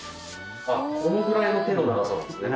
あっこのぐらいの手の長さなんですね。